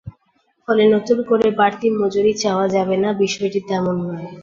ফলে নতুন করে বাড়তি মজুরি চাওয়া যাবে না, বিষয়টি তেমন নয়।